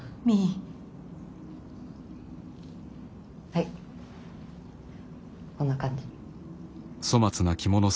はいこんな感じ。